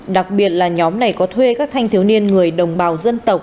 đặc biệt là nhóm này có thuê các thanh thiếu niên người đồng bào dân tộc